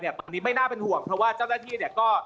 อันนี้ไม่น่าเป็นห่วงเพราะว่าเจ้าหน้าที่เนี่ยก็